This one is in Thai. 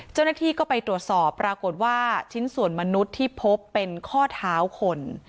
เจ้าหน้าที่ก็ไปตรวจสอบปรากฏว่าชิ้นส่วนมนุษย์ที่พบเป็นข้อเท้าคน